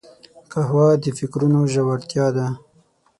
قهوه د فکرونو ژورتیا ده